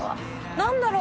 何だろう？